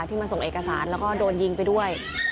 มาส่งเอกสารแล้วก็โดนยิงไปด้วย